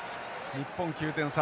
日本９点差。